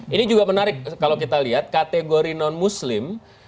ini juga menarik kalau kita lihat kategori non muslim